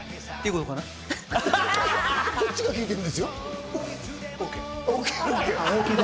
こっちが聞いてるんですよ。